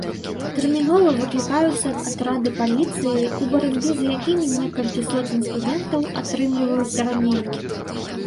Тэрмінова выклікаюцца атрады паліцыі, у барацьбе з якімі некалькі соцень студэнтаў атрымліваюць раненні.